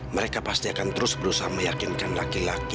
mereka pasti akan terus berusaha meyakinkan laki laki